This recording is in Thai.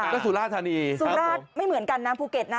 ก็สุราธานีสุราชไม่เหมือนกันนะภูเก็ตนะ